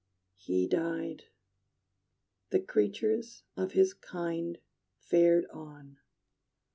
He died: the creatures of his kind Fared on.